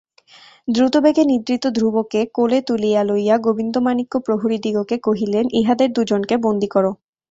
দ্রুতবেগে নিদ্রিত ধ্রুবকে কোলে তুলিয়া লইয়া গোবিন্দমাণিক্য প্রহরীদিগকে কহিলেন, ইহাদের দুজনকে বন্দী করো।